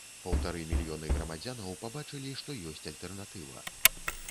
Паўтары мільёны грамадзянаў пабачылі, што ёсць альтэрнатыва.